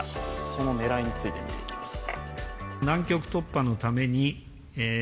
その狙いについてみていきます。